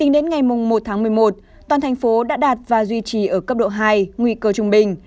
đến ngày một tháng một mươi một toàn thành phố đã đạt và duy trì ở cấp độ hai nguy cơ trung bình